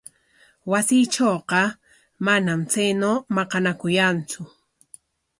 Wasiitrawqa manam chaynaw maqanakuyantsu.